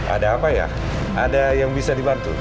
ada apa ya ada yang bisa dibantu